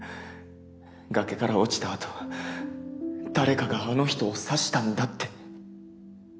崖から落ちたあと誰かがあの人を刺したんだって。